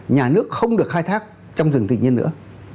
nhà nước không được khai thác trong rừng tự nhiên nữa